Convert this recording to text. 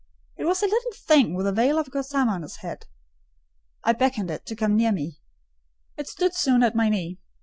It was a little thing with a veil of gossamer on its head. I beckoned it to come near me; it stood soon at my knee.